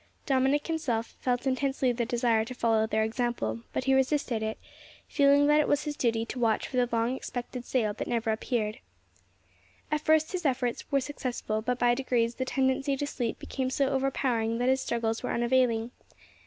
Dominick himself felt intensely the desire to follow their example, but he resisted it, feeling that it was his duty to watch for the long expected sail that never appeared. At first his efforts were successful, but by degrees the tendency to sleep became so overpowering that his struggles were unavailing.